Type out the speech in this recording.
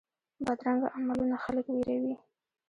بدرنګه عملونه خلک ویروي